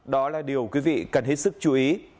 đó là điều quý vị cần hết sức chú ý